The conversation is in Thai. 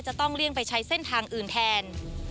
เลี่ยงไปใช้เส้นทางอื่นแทน